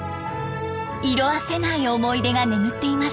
色あせない思い出が眠っていました。